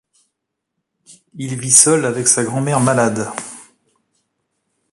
Il vit seul avec sa grand-mère malade.